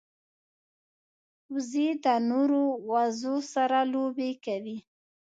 وزې د نورو وزو سره لوبې کوي